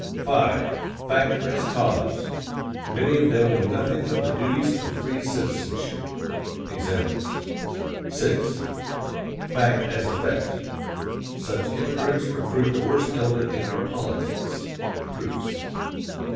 V. FACT AS CAUSE: Many of them know nothing of the duties of free citizenship. (Examples.) VI.FACT AS EFFECT: Such immigrants recruit the worst element in our politics. (Proofs.)